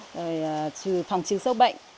rồi phòng trừ sâu bệnh